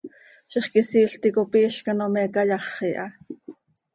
Zixquisiil ticop iizc ano me cayaxi ha.